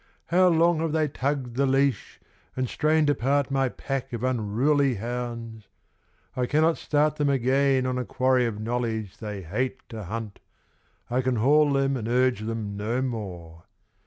How long have they tugged the leash, and strained apart My pack of unruly hounds: I cannot start Them again on a quarry of knowledge they hate to hunt, I can haul them and urge them no more.